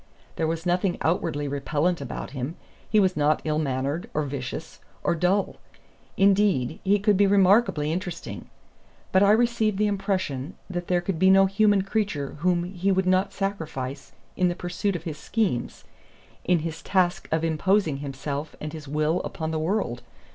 There was nothing outwardly repellent about him. He was not ill mannered, or vicious, or dull indeed, he could be remarkably interesting. But I received the impression that there could be no human creature whom he would not sacrifice in the pursuit of his schemes, in his task of imposing himself and his will upon the world.